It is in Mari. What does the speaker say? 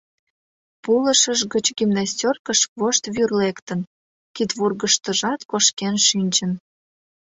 Пулышыж гыч гимнастеркыж вошт вӱр лектын, кидвургыштыжат кошкен шинчын.